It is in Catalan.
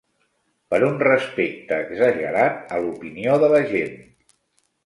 Per un respecte exagerat a l'opinió de la gent.